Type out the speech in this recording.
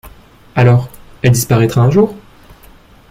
Alors, elle disparaîtra un jour?